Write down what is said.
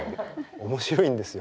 面白いんですよ